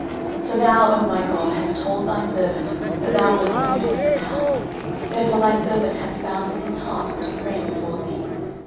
13:017:025 For thou, O my God, hast told thy servant that thou wilt build him an house: therefore thy servant hath found in his heart to pray before thee.